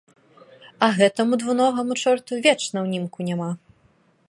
А гэтаму двуногаму чорту вечна ўнімку няма.